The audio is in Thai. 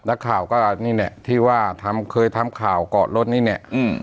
นักข่าวก็นี่เนี่ยที่ว่าเคยทำข่าวกล่อรถนี่เนี่ย